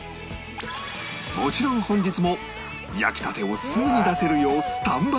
もちろん本日も焼きたてをすぐに出せるようスタンバイ中